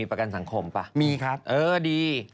อีกแค่สองสามวันนี้